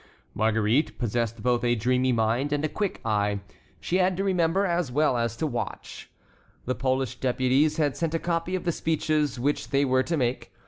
Marguerite possessed both a dreamy mind and a quick eye. She had to remember as well as to watch. The Polish deputies had sent a copy of the speeches which they were to make.